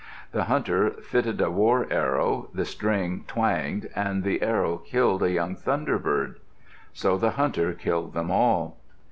The hunter fitted a war arrow, the string twanged, and the arrow killed a young thunderbird. So the hunter killed them all.